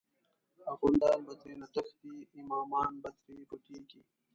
اخوندان به ترینه تښتی، امامان به تری پټیږی